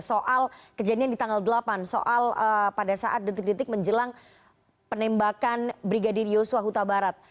soal kejadian di tanggal delapan soal pada saat detik detik menjelang penembakan brigadir yosua huta barat